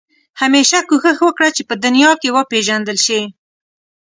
همېشه کوښښ وکړه چې په دنیا کې وپېژندل شې.